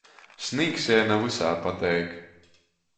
Snīgs jai na vysā pateik.